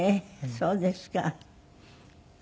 そうですか。